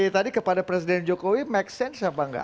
tadi kepada presiden jokowi make sense apa enggak